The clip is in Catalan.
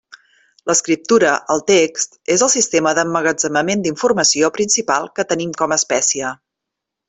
L'escriptura, el text, és el sistema d'emmagatzemament d'informació principal que tenim com a espècie.